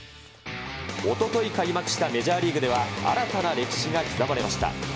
おととい開幕したメジャーリーグでは、新たな歴史が刻まれました。